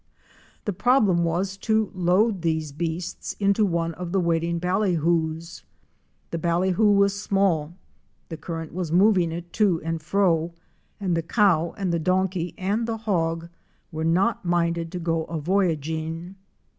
The problem was to load these beasts into one of the waiting ballyhoos. The ballyhoo was small, the current was moving it to and fro, and the cow and the donkey and the hog were not minded to go a voyaging.